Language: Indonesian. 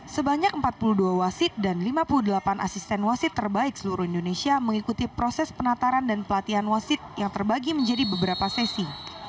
sebanyak empat puluh dua wasit dan lima puluh delapan asisten wasit terbaik seluruh indonesia mengikuti proses penataran dan pelatihan wasit yang terbagi menjadi beberapa sesi